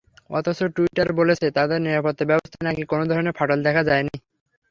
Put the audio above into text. অথচ টুইটার বলছে, তাদের নিরাপত্তাব্যবস্থায় নাকি কোনো ধরনের ফাটল দেখা যায়নি।